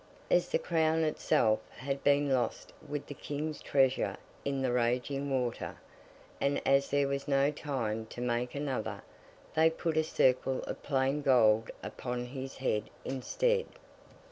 As the Crown itself had been lost with the King's treasure in the raging water, and as there was no time to make another, they put a circle of plain gold upon his head instead.